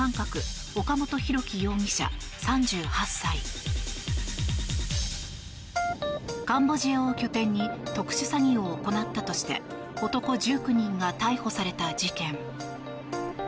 果たして、その実態とは。カンボジアを拠点に特殊詐欺を行ったとして男１９人が逮捕された事件。